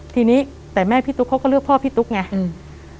ทีนี้แต่แม่พี่ตุ๊กเขาก็เลือกพ่อพี่ตุ๊กไงอืม